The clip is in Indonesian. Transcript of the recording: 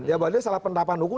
ya bahwa dia salah penerapan hukum